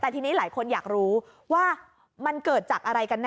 แต่ทีนี้หลายคนอยากรู้ว่ามันเกิดจากอะไรกันแน